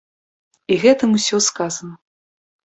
І гэтым усё сказана!